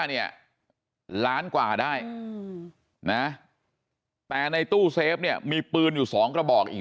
เนี่ยล้านกว่าได้นะแต่ในตู้เซฟเนี่ยมีปืนอยู่สองกระบอกอีก